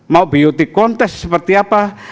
mau bot kontes seperti apa